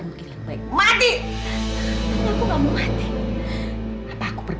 aku kalo atau atau